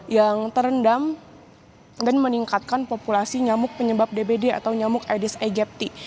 yang terendam dan meningkatkan populasi nyamuk penyebab dbd atau nyamuk aedes aegypti